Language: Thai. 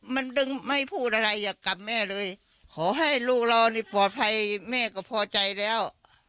มันดึงไม่พูดอะไรอยากกลับแม่เลยขอให้ลูกเรานี่ปลอดภัยแม่ก็พอใจแล้ว